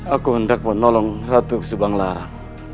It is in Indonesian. aku hendak menolong ratu subang larang